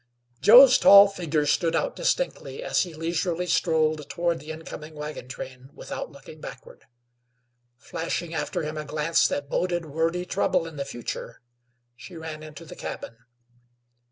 Joe's tall figure stood out distinctly as he leisurely strolled toward the incoming wagon train without looking backward. Flashing after him a glance that boded wordy trouble in the future, she ran into the cabin.